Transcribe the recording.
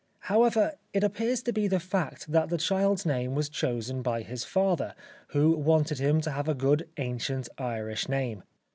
However, it appears to be the fact that the child's name was chosen by his father, who wanted him to have a good ancient Irish name.